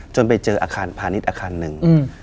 ไปเจออาคารพาณิชย์อาคารหนึ่ง